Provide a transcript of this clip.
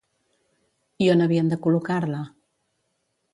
I on havien de col·locar-la?